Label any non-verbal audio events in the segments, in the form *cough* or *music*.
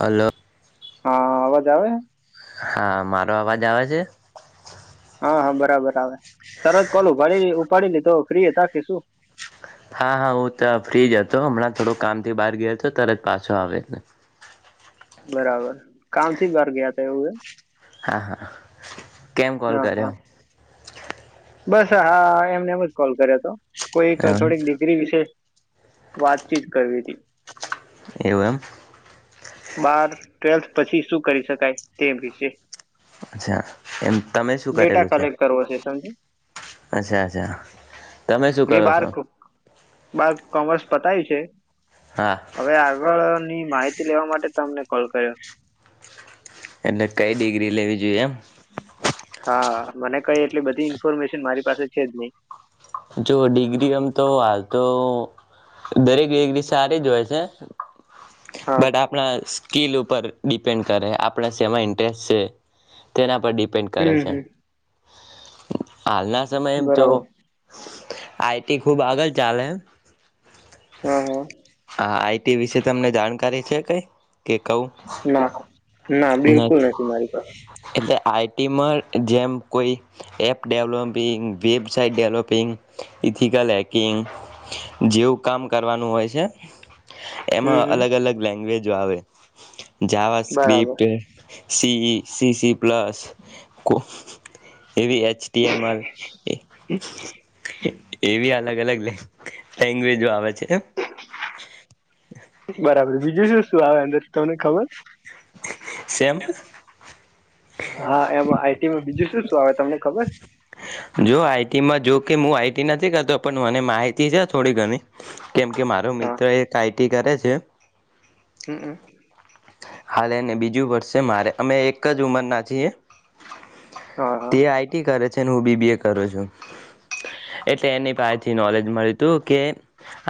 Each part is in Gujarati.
હલો. હા, અવાજ આવે. હા, મારો અવાજ આવે છે. હા, હા, બરાબર આવે. તરત કોલ ભરી આવ્યું. પાડી લ તો ફ્રી તા કે શું? હા, હા. હું તો ફ્રી જ હતો. હમણાં થોડું કામથી બહાર ગયો હતો. તરત પાછો આવેને. બરાબર, કામ થી બહાર ગયા હતા, એવું કે? હા, હા. કેમ, કોલ હા હા કર્યો? બસ, હા. એમને એમ જ કોલ કર્યો હતો. કોઈ એમ થોડીક ડિગ્રી વિશે વાતચીત કરવી હતી. એવું, એમ. બાર ટ્વેલ્થ પછી શું કરી શકાય, તે વિશે. અચ્છા, એમ. તમે શું ડેટા કરેલું છે? કલેક્ટ કરવો છે સમજી અચ્છા અછા તમે શું મેં કરો બાર છો? *inaudible* બાર કોમર્સ પતાયું છે. હા હવે આગળ ન ની માહિતી લેવા માટ તમને કોલ કર્યો *inaudible* એટલે કઈ ડિગ્રી લેવી જોઈએ એમ. હા મને કઈ એટલી બધી ઇન્ફોર્મેશન મારી પાસે છે જ નઈ. જો ડિગ્રી એમ તો આલ તો દરેક વેગવી સારી જ હોય છે. હા બટ આપણા સ્કીલ ઉપ ઉપર ડીપેન્ડ કરે આપડા સેમા ઇન્ટેસ્ટ છે તેના પર ડી પેન્ડ કરે હમ છે. હમ હાલના સમય એમ તો બરાબર *inaudible* આઈ ટી ખુબ આગલ ચાલે *inaudible* હા હા હા આઈ તે વિશે તમને જાણકારી છે કઈ કે કહું ના ના બિલકુલ નથી મારી પાહ આઈ ટી માં જેમ કોઈ app developing website developing ethical hacking જેવું કામ કરવાનું હોય છ હમ એમાં હમ અલગ અલગ લેંગ્વેજો આવે. *inaudible* જાવા બરાબર સ્ક્રીિપ્ટ સી ઈ સી સી પ્લસ કો એવી એચ ટી એમ અલ *inaudible* એવી અલગ અલગ *inaudible* લેંગ્વેજો આવે છે. *inaudible* *inaudible* બરાબર બીજું શું શું આવે અંદર તમને ખબર? સેમ *inaudible* હા એમાં આઈ ટી માં બીજું શું શું આવે તમને ખબર? જોકે મું આઈટી નથી કરતો પણ મને માહિતી છ થોડી ઘણી કેમકે મારો હા મિત્ર એક આઈ ટી કરે છે હમ. હાલેને બીજું વરશે મારે અમે એક જ ઉમરના છીએ. હા હા તે આઈ ટી કરે છે હું બી બી એ કરું છું. એટલે એની પાહેથી નોલેજ મલતું કે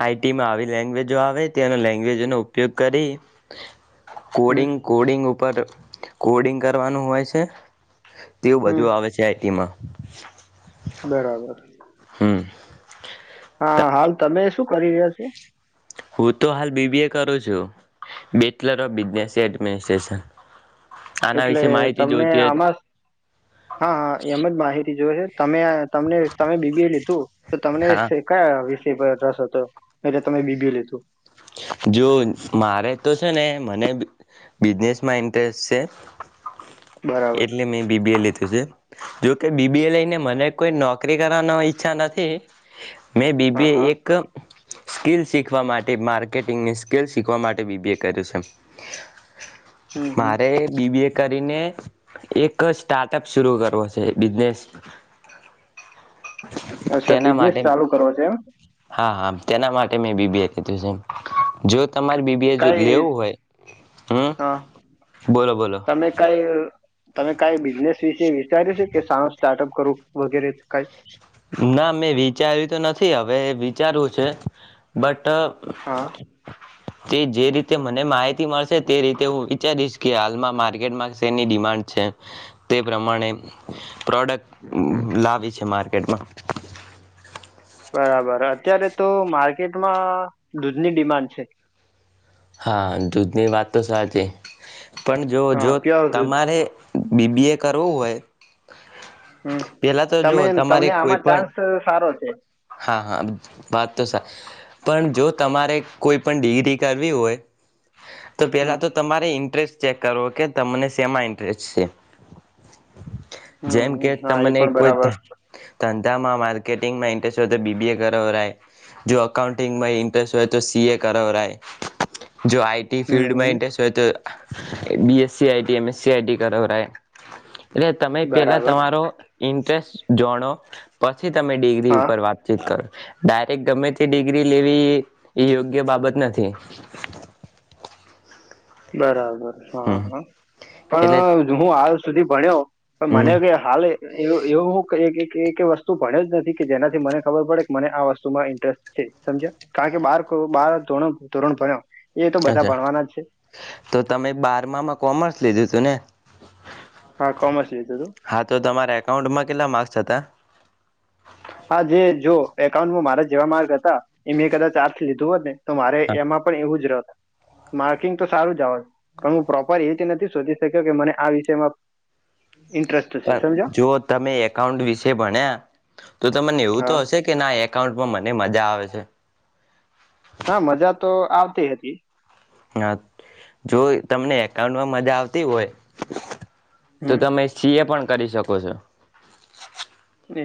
આઈ ટી માં આવી લેંગ્વેજો આવે તેનો લેંગ્વેજોનો ઉપયોગ કરી હમ કોડિંગ કોડિંગ ઉપ પર કોડિંગ આનું હોય છે. તેવું હમ બધું આવે છે આઈ ટીમાં. બરાબર. હમ. હા હાલ તમે શું શું કરી રહ્યા છો? હું તો હાલ બીબી એ કરું છું બેચલર ઓફ બિઝનેસ *unintelligible* એટલે વિશે માહિતી તમને જોતી હતી. આમાં હા હા એમ જ માહિતી જોવે તમે તમને તમે બીબી એ લીધું તો તમને હા સે કયા તે રસ હતો એ તમે બીબી લીધું? જો મારે તો છે ને મને બિઝનેસમાં ઇન્ટરેસ્ટ છે બરાબર એટલે મેં બીબી એ લીધું છે. જોકે બીબી એ લઈને મને કોઈ નોકરી કરવાનો ઈચ્છા નથી મેં હા બીબી હા એક સ્કીિલ શીખવા માટે માર્કેટિંગની સ્કીલ શીખવા માટે બીબીએ કર્યું છે. હમ હમ મારે બીબીએ કરીને એક સ્ટાર્ટઅપ શર કરવો છે બિઝનેસ. અચ્છા તેના બિઝનેસ માટે ચાલુ કરો છે એમ? હા હા તેના માટે મેં બીબીએ *inaudible* તમારી બીબી એ જો લેવું કઈ હોય હમ હા બોલો બોલો તમે કઈ તમે કઈ બિઝનેસ વિશે વિચાર્યું છે કે સારું સ્ટાર્ટઅપ કરો વગેરે કઈ? ના મેં વિચાર્યું તો નથી હવે એ વિચારવું છે બટ હા તો તે જે રીતે મને માહિતી મળશે તે રીતે હું વિચારીશ કે હાલમાં માર્કેટમાં શેરની ડિમાન્ડ છે તે પ્રમાણે પ્રોડક્ટ લાવી છે. કેકેેટમાં બરાબર અત્યારે તો માર્કેટમાં દૂધની ડિમાન્ડ છે. હા દૂધની વાત તો સાચ છે. પણ જો હા જો પ્યોર દૂધ તમારે બીબી એ કરવું હોય. હમ પેલા તો જો તમે તમારે તમને કોઈ આમાં પણ ચાન્સ સારો છે. હા હા વાત તો સા પણ જો તમારે કોઈ પણ ડિગ્રી કર કરવી હોય. તો હમ પેલા તો તમારે ઇન્ટરેસ્ટ ચેક કરો કે તમને સેમાં ઇન્ટરેસ્ટ છે. હમ જેમ હમ કે હા એ તમને પણ કોઈ બરાબર ધંધામાં માર્્કેેટિંગમાં ઇન્ટ્રેસ્ટ હોય તો બીબીએ કર્યો રહે જો અકકાઉન્ટિંગમાં ન્ટ્રેસ્ટ હોય તો સીએ કર્યો રહે. જો આઈ ટી હમ ફિલ્ડમાં હમ ઇન્ટરેસ્ટ હોય તો B SC IT M SC IT કરરેવરા એટલે તમે પહેલાં બરાબર તમારો ઇન્ટરેસ્ટ જોણો પસ પછી તમે ડિગ્રી હા ઉપર વાતચીત કરો. ડાયરેક્ટ ગમે તે ડિગ્રી લેવી. એ યોગ્ય બાબત નથી. *inaudible* બરાબર. હમ હા એટલે પણ હું આવ સુધી ભણ્યો પણ મને હમ એવ કે હાલ એવ એવું હું ક કે વસ્તુ ભણ્યો જ નથી કે જેનાથી મને ખબર પડે કે મને આ વસ્તુ માં ઇન્ટરેસ્ટ છે સમજ્યા કારણ કે બાર બાર ધોરણ ભણ એ તો બધા અચ્છા ભણવાના જ છે. તો તમે બાર માં કોમર્સ લીધો દ તુંને હા કોમર્સ લીધું હતું હા તો તમારા એકાઉન્ટમાં કેટલા માર્સ પછતા હા જે જો એકાઉન્ટમાં મારા જેવા માર્ગ હતો. એં કદા ચાર ખી તું અને તો મારે એમાં પણ એવું જ રહત માર્કિંગ તો સારું જ. પણ હું પ્રોપર એ રતે નથી. શોધી શક્યો કે મને આ વિષયમાં. ઇન્ટરેસ્ટ છે પણ સમજો જો તમે એકાઉન્ટ વિશે ભણ્યા. તો તમને એવું તો હા હશે કે ના. એકાઉન્ટમાં મને મજા આવે છે. હા મજા તો હતી. હા જો તમને એકાઉન્ટમાં મજા આવતી હોય. તો હમ તમે સી એ પણ. કરી શકો છો. એ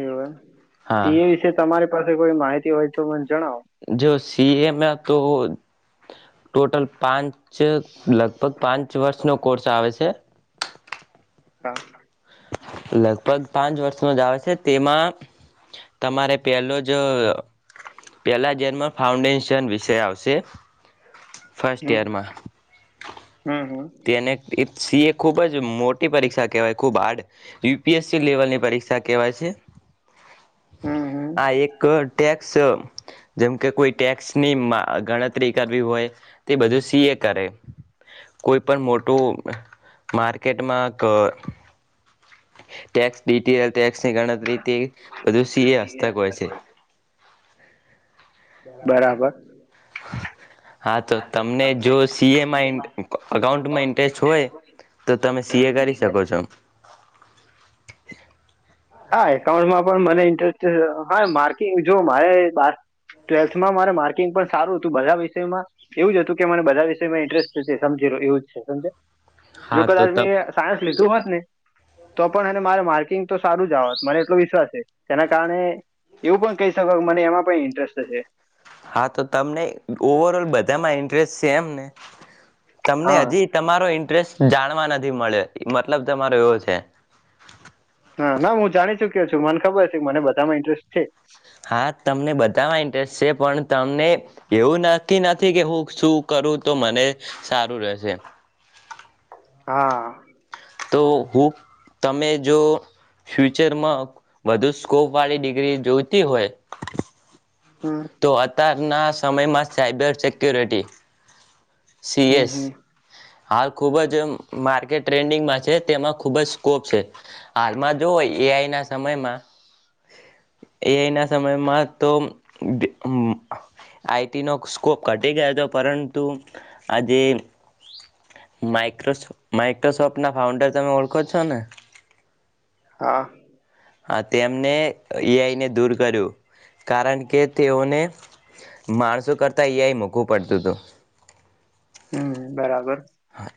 તે હા એ વિશે તમારી પાસે કોઈ માહિતી. હોય તો. જણાવો જોશી. સીએમાં તો ટોટલ પાંચ. લગભગ પાંચ વર્ષનો. કોર્સ આવે છે. હા. લગભગ પાંચ વર્ષનો જ આવે છે તેમાં તમારે પહેલો જ પહેલા જન્મ ફાઉન્ડેશન વિષય આવશે. ફર્સ્ટ હમ યરમાં હમ હમ. તેને સી એ ખૂબ જ મોટી પરીક્ષા કેહેવાય ખૂબ હાર્ડ યુપીએસસી લેવલ ની પરીક્ષા કેહેવાય છે. હમ હમ હા એક ટેક્. જેમકે કોઈ ટેક્સ ની ગણતરી કરવી હોય તે બધું સી એ કરે. કોઈપણ મોટું માર્કેટમાં ક. ટેક્િલ ટેક્સની ગણતરી બધુ સીએ હસ્તક હોય છે બરા. બરાબર હા તો તમને જો સીએમાં અકાઉન્ટમાં ઇન્ટરેસ્ટ હોય તો તમે સીએ કરી શકો છો. હા એકાઉન્ટમાં પણ મને ઇન્ટરેસ્ટ હા માર્કિંગ જો મારે બ ટ્વેલ્થમાં મારે માર્કિંગ પણ સારું હતું બધા વિષયમાં એવ જ હતું કે મને બધા વિષયમાં ઇન્ટરેસ્ટ છે સમજી લો્યો એવું જ છે સમજ. હા જો કદ તો ત આી સાયન્સ લીધું હોત ને તો પણ મારે માર્કિંગ તો. સારું જત મને એટલો વિશ્વાસ છે તેના કારણે એવું પણ કહી શકોાય મને એમાં પણ ઇન્ટરેસ્ટશે હા તો તમને ઓવર ઓલ બધામાં ઇન્ટરેસ્ટ છે એમ ને. તમને હા હજી તમારો ઇન્ટરેસ્ટ. જાણવા નથી મળ્યો મતલબ તમારો એવો છે. હા ના હું જાણી ચુક્યો છું મને ખબર હ છે મને બધામાં ઇન્ટરેસ્ટ છે. હા તમને બધામાં ઇન્ટરેસ્ટ છે પણ તમને એવું નક્કી નથી કે હું શું કરું તો મને સારું રહેશે. હા. તો હું તમે જો ફ્યુચરમાં વધુ સ્કોપ વાળી ડિગ્રી જોઈતી હોય. હમ તો અ હતા ના સમયમાં સાયબર સિક્ય્યોરિટી. સી હમ હમ એસ. હાલ ખૂબ જ માર્કેટ ટ્રેન્ડિંગમાં છે તેમાં ખૂબ જ સ્કોપ છે, હાલમાં જોવઓ એ આઈના સમયમાં, એ આઈના સમયમાં તો આઈટીનો સ્કોપ ઘટી ગયો હતો પરંતુ આજે માઇક માઇક્રોસોફ્ટ ના ફાઉન્ડર તમે ઓળખો છો ને. હા આ તેમને એ આઈને દૂર કર્યું, કારણ કે તેઓને માણસો કરતાં એ આઈ મૂકવું પડતું હતું. હમ બરાબર.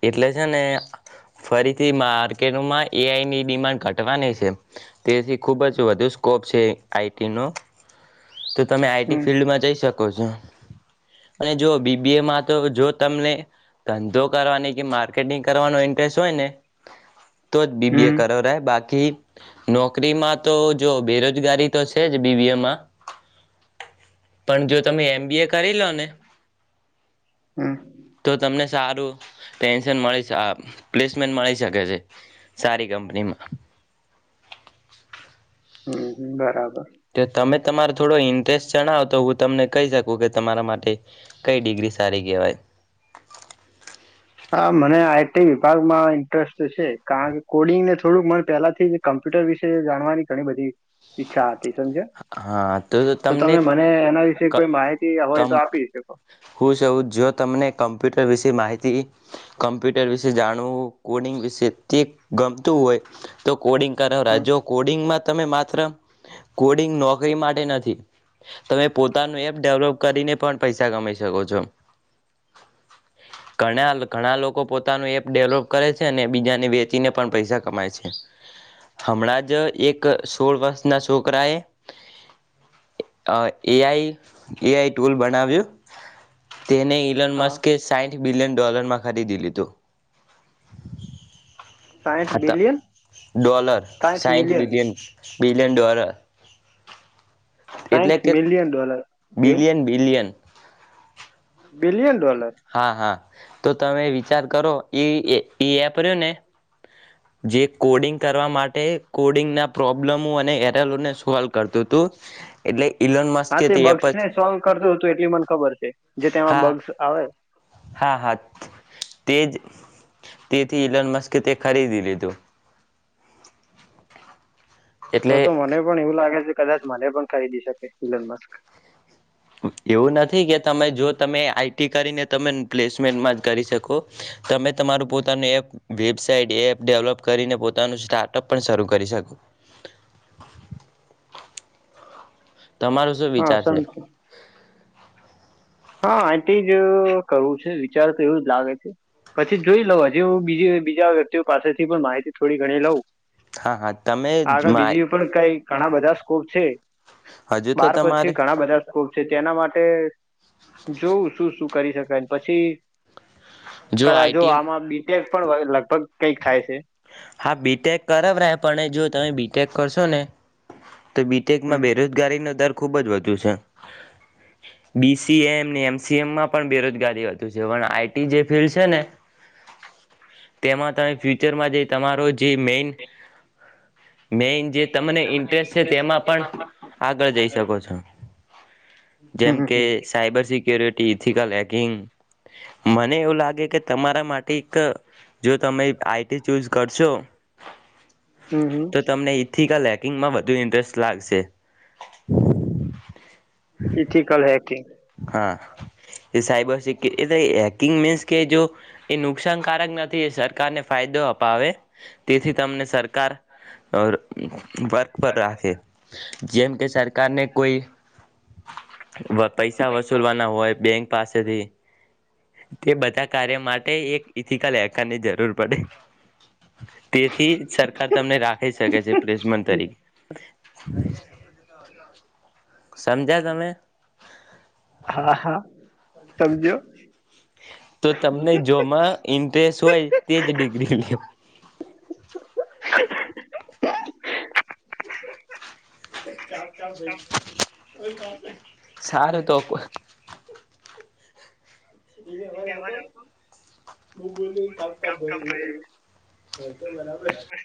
એટલે છે ને ફરીથી માર્કેટમાં એ આઈની ડિમાન્ડ ઘટવાની છે, તેથી ખૂબ જ વધુ સ્કોપ છે આઈ ટીનો. તો તમે આ ઈટી હમ ફિલ્ડમાં જઈ શકો. સકો છો, અને જો બી બી એમાં તો જો તમને ધંધો કરવાની માર્કેટિંગ કરવાનો ઇન્ટરેસ્ટ હોય ને. તો જ બી હમ બી એ હમ કરો બાકી નોકરીમાં તો જો બેરોજગારી તો છે જ બી બીએમાં, પણ જો તમે એમ બી કરી લો ને, તો તમને સારું- પટેન્શન મળી આ પ્લેસમેન્ટ મળી શકે છે, સારી કંપનીમાં. હમ હ બરાબર. તો તમે તમારો થોડો ઇન્ટરેસ્ટ જણાવો તો હું તમને કહી શકું કે તમારા માટે, કઈ ડિગ્રી સારી કહેવાય. હા મને આઈ ટી વિભાગ માં ઇન્ટરેસ્ટ છે કારણ કે કોડિંગ ને થોડુંક મને પેલાથી કમ્પ્યુટર વિશે જાણવાની ઘણી બધી ઈચ્છા હતી. જ, હા તો તમને તમે મને એના વિશે કોઈ માહિતી હોય તો હું આપી શકો કહું જો તમને કમ્પ્યુટર વિશે માહિતી, કમ્પ્યુટર વિશે જાણવું કોડિંગ વિશે તે ગમતું હોય, તો કોડિંગ કરાવ હમ રાજ જો કોડિંગમાં તમે માત્ર, કોડિંગ નોકરી માટે નથી, તમે પોતાનું એપ ડેવલોપ કરીને પણ પૈસા કમાઈ શકો છો, ઘણા ઘણા લોકો પોતાનું એપ ડેવલોપ કરે છે અને બીજાને વેચીને પણ પૈસા કમાય છે, હમણાં જ એક સોળ વર્ષના છોકરા એ એ આઈ એ આઈ ટુલ બનાવ્યો, તેને ઇલન હા માસ્કે સાઠ બિલિયન ડોલરમાં ખરિદી લીધું. સાઠ ખતમ બિલિયન ડોલર સાઠ બિલિયન બિ લે દ્વારા એટલે સાઠ કે મિલિયન ડોલર એવું બિલિયન બિલિયન. Billion dollar. હા હા. તો તમે વિચાર કરો એ એપ રહ્યો ને જે કોડિંગ કરવા માટે કોડિંગના પ્રોબ્લેમો અને એરલોને સોલ્વ કરતું હતું એટલે ઇલોન હા મસ્કે તે એપ બગસ જ ને સોલ્વ કરતું હતું એટલી મને ખબર છે, જે તેમાં હા બગસ આવે હા હા તેજ તેથી ઇલન મસ્કે તે ખરીદી લીધું તો એટલે તો મને પણ એવું લાગે છે. કદાચ મારે પણ ખરીદી શકે ઇલન મસ્ક એવું નથી કે તમે જો તમે આઈટી કરીને તમે પ્લેસમેન્ટમાં જ કરી શકો, તમે તમારું પોતાનું એપ વેબસાાઈટ એપ ડેવલોપ કરીને પોતાનું સ્ટાર્ટઅપ પણ શરૂ કરી શકો. તમારું શું હા વિચાર છે? સમજુ હા એથી જ કરવું છે વિચાર તો એવું જ લાગે છે, પછી જોઈ લઉ હજી હુ બીજી બીજા વ્યક્તિઓ પાસેથી પણ માહિતી થોડી ઘણી લઉં હા હા તમે આગળ મા બીજી પણ કઈ ઘણા બધા સ્કોપ છે. તો બાર પછી તમારે ઘણા બધા સ્કોપ છે તેના મા હ. જોવું શું શું કરી શકાય પછી. કા જો આમાં બી પણ લગભગ કંઈક થાય છે. હા બીટેક કરવ રહે પણ જો તમે બીટેક કરશો ને તો બીટેકમાં હમ બેરોજગારીનો દર ખૂબજ વધુ બી-સી-એમ એમ સી એમમાં પણ બેરોજગારી વધુ છે પણ આઈટી જે ફિલ્ડ છેને તેમાં તમે ફ્યુચરમાં જે તમારો જે મેન મેન જે તમને ઇન્ટરેસ્ટ છે તેમાં પણ આગળ જઈ શકો છો. જેમ હમ કે હમ સાયબર સિક્ય્યોરિટી એથિક્સ હેડિંગ મને એવું લાગે કે તમારા માટે એક જો તમે આઈટી ચૂઝ કરજો. હમ હમ તો તમને ઈથીકલ. કિંગમાં વધુ ઇન્ન્ટરેસ્ટ લાગશે. ઈથી કલ હેકિંગ હા એ સાયબર સિક્યુર હેકિંગ મીન્સ કે જો એ નુકસાનકારક નથી એ સરકારને ફાયદો અપાવે તેથી તમને સરકાર અ વર્ક પર રાખે. જેમ કે સરકાર ને કોઈ વધ પૈસા વસૂલવાના હોય બેંક પાસેથી તે બધા કાર્ય માટે એક ઇથિકલ કની જરૂર પડે. તેથી સરકાર તમને રાખી શકે છે પ્રેસમન તરીકે. *unintelligible* સમજ્યા તમે હા-હા. સમજો. તો તમને જોમાં ઇન્ટરેસ્ટ હોય તેજ ડિગ્રી લે *unintelligible* સારું તો. *unintelligible* એ અ આવતો કપ કપ કામ કામ ભું થઈ તો બરાબર